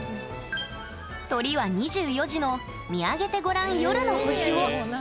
とりは２４時の「見上げてごらん夜の星を」。